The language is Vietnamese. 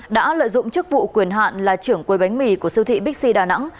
đã lợi dụng chức vụ quyền hạn là trưởng quấy bánh mì của siêu thị bixi đà nẵng